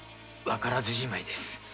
わからずじまいです。